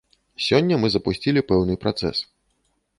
Сёння мы запусцілі пэўны працэс.